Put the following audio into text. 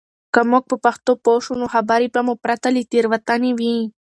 که موږ په پښتو پوه شو، نو خبرې به مو پرته له تېروتنې وي.